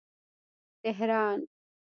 تهران